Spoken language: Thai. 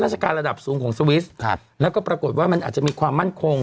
การระดับสูงของสวิสครับแล้วก็ปรากฏว่ามันอาจจะมีความมั่นคง